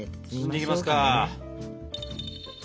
包んでいきますか？